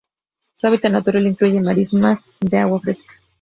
Su hábitat natural incluye marismas de agua fresca.